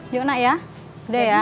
yuk nak ya udah ya